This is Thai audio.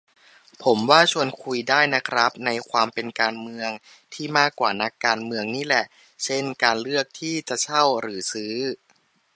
ผมว่าชวนคุยได้นะครับ ในความเป็นการเมือง ที่มากกว่านักการเมือง นี่แหละ เช่น การเลือกที่จะเช่าหรือซื้อ